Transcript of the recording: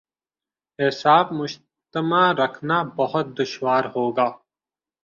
اعصاب مجتمع رکھنا بہت دشوار ہو گا۔